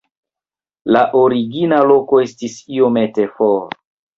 La origina loko estis iomete for.